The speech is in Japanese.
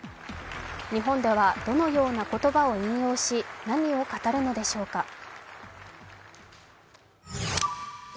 日本ではどのような言葉を引用し、何を語るのでしょうか。